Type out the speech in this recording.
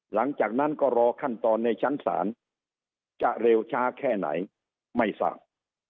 หลังจากนั้นก็รอขั้นตอนในชั้นศาลจะเร็วช้าแค่ไหนไม่ทราบ